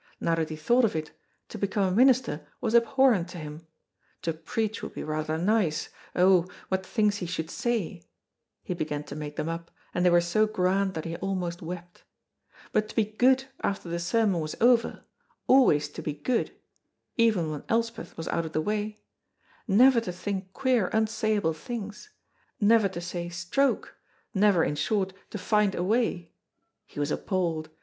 Now that he thought of it, to become a minister was abhorrent to him; to preach would be rather nice, oh, what things he should say (he began to make them up, and they were so grand that he almost wept), but to be good after the sermon was over, always to be good (even when Elspeth was out of the way), never to think queer unsayable things, never to say Stroke, never, in short, to "find a way" he was appalled.